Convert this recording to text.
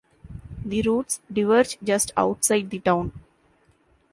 The routes diverge just outside the town.